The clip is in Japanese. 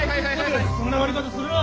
そんな割り方するな！